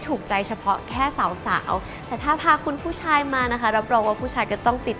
ถูกใจเฉพาะแค่สาวแต่ถ้าพาคุณผู้ชายมานะคะรับรองว่าผู้ชายก็จะต้องติด